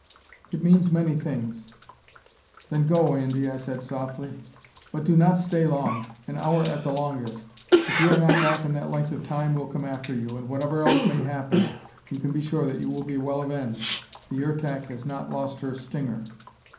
It means many things. "Go, then, Andy," I said softly. "But do not stay long. An hour at the longest. If you are not back in that length of time, we'll come after you, and whatever else may happen, you can be sure that you will be well avenged. The Ertak has not lost her stinger."